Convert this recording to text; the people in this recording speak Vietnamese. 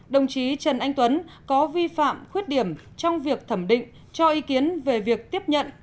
đồng chí trần anh tuấn có vi phạm khuyết điểm trong việc thẩm định cho ý kiến về việc tiếp nhận